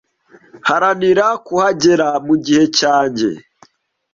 Haranira kuhagera mugihe cyanjye